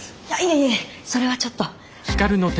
いえいえそれはちょっと。